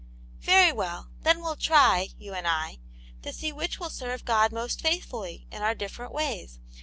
" Very well ; then we'll try, you and I, to see which will serve God most faithfully in our different ways.